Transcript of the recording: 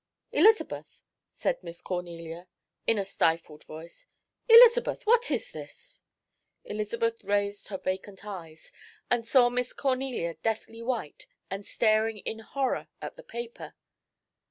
"Elizabeth," said Miss Cornelia, in a stifled voice. "Elizabeth what is this?" Elizabeth raised her vacant eyes, and saw Miss Cornelia deathly white and staring in horror at the paper.